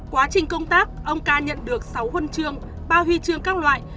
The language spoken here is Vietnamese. quá trình công tác ông ca nhận được sáu huân trương ba huy trương các loại